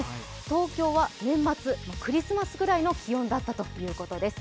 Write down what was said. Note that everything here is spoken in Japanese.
東京は年末、クリスマスぐらいの気温だったということです。